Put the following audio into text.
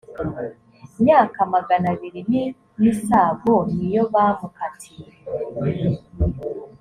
myaka magana abiri nimisago niyo bamukatiye